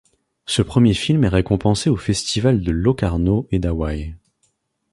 Ce premier film est récompensé aux festivals de Locarno et d'Hawaï.